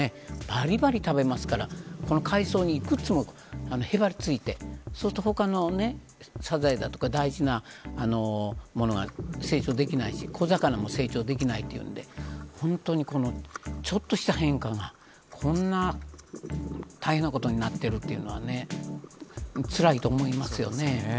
ばりばり食べますから海藻にいくつもへばりついてそうすると、他のサザエとか大事なものが成長できないし小魚も成長できないというので、本当にちょっとした変化がこんな大変なことになっているというのはねつらいと思いますよね。